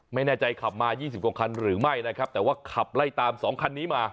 ไม่แน่ใจขับมา๒๐กว่าคันหรือไม่นะครับแต่ว่าขับไล่ตามสองคันนี้มา